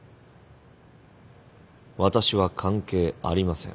私は関係ありません。